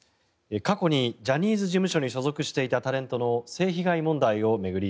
過去にジャニーズ事務所に所属していたタレントの性被害問題を巡り